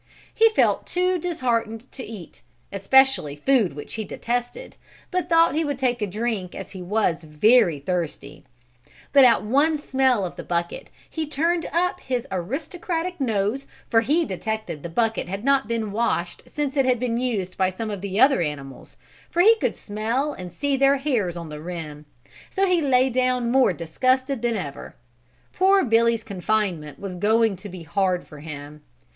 He felt too disheartened to eat, especially food which he detested, but thought he would take a drink as he was very thirsty, but at one smell of the bucket he turned up his aristocratic nose for he detected the bucket had not been washed since it had been used by some of the other animals for he could smell and see their hairs on the rim; so he lay down more disgusted than ever. Poor Billy's confinement was going to be hard for him.